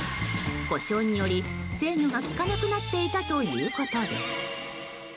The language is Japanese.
故障により制御が利かなくなっていたということです。